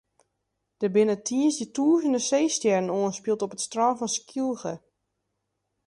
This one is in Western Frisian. Der binne tiisdei tûzenen seestjerren oanspield op it strân fan Skylge.